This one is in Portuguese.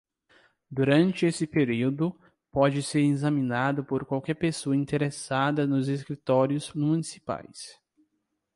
Durante esse período, pode ser examinado por qualquer pessoa interessada nos escritórios municipais.